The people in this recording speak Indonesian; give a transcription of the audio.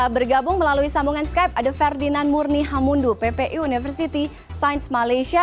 bergabung melalui sambungan skype ada ferdinand murni hamundu ppu university science malaysia